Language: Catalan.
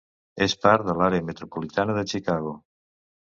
És part de l'àrea metropolitana de Chicago.